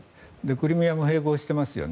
クリミアも併合していますよね。